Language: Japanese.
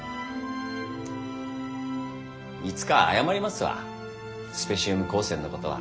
いつか謝りますわスペシウム光線のことは。